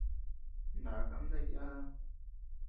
Naka ama deakea yáda.